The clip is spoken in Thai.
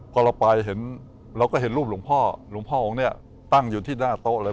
พอเราไปเห็นเราก็เห็นรูปหลวงพ่อหลวงพ่อองค์เนี่ยตั้งอยู่ที่หน้าโต๊ะเลย